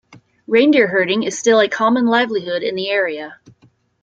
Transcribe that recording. Reindeer herding is still a common livelihood in the area.